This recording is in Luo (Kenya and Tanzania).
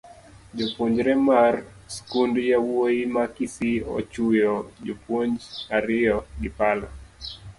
Japuonjre mar skund yawuoyi ma kisii ochuyo jopuonj ariyo gi pala